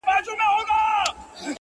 لکه په کلي کي بې کوره ونه؛